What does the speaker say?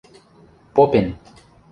— Попен.